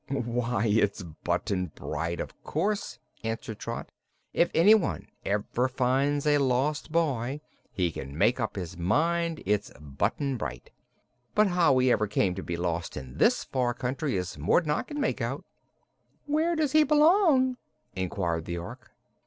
"Why, it's Button Bright, of course," answered Trot. "If anyone ever finds a lost boy, he can make up his mind it's Button Bright. But how he ever came to be lost in this far away country is more'n I can make out." "Where does he belong?" inquired the Ork.